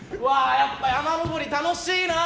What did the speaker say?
やっぱ山登り楽しいな！